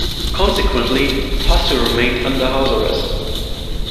Consequently, Hossu remained under house arrest.